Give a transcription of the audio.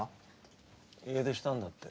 家出したんだって。